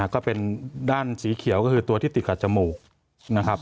ก็เป็นด้านสีเขียวก็คือตัวที่ติดกับจมูกนะครับ